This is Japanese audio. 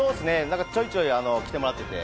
ちょいちょい来てもらってて。